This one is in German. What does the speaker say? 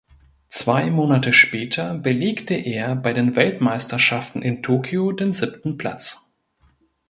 Zwei Monate später belegte er bei den Weltmeisterschaften in Tokio den siebten Platz.